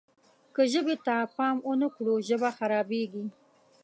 که ژبې ته پام ونه کړو ژبه خرابېږي.